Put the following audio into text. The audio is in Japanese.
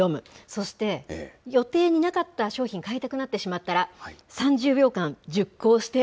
そして、予定になかった商品、買いたくなってしまったら、３０秒３０秒？